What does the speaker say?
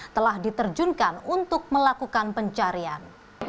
telah diterjunkan untuk melakukan pencarian